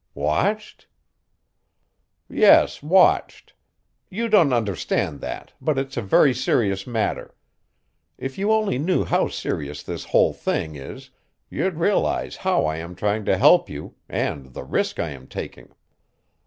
"Watched?" "Yes, watched. You don't understand that, but it's a very serious matter. If you only knew how serious this whole thing is you'd realize how I am trying to help you, and the risk I am taking."